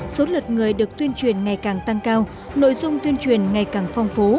số lượt người được tuyên truyền ngày càng tăng cao nội dung tuyên truyền ngày càng phong phú